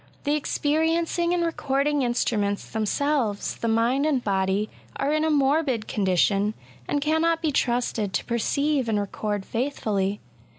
The experiencing and recording instruments them selves, the mind and body^ are in a morbid condition^ and cannot be trusted to perceive and record faithfully.